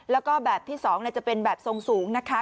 แล้วก็แบบที่๒จะเป็นแบบทรงสูงนะคะ